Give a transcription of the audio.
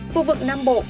khu vực nam bộ